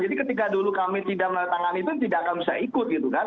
jadi ketika dulu kami tidak melihat tangan itu tidak akan bisa ikut gitu kan